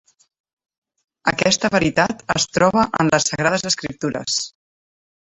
Aquesta veritat es troba en les Sagrades Escriptures.